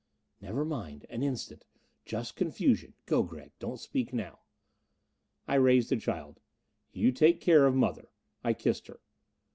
"Never mind! An instant. Just confusion. Go, Gregg don't speak now!" I raised the child. "You take care of mother." I kissed her.